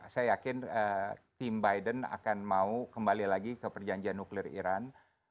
saya yakin tim biden akan mau kembali lagi ke perjanjian nuklir iran